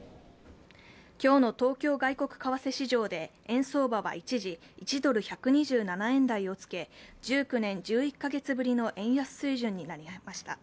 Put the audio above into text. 今日の東京外国為替市場で円相場が一時、１ドル＝１２７円台をつけ、１９年１１カ月ぶりの円安水準になりました。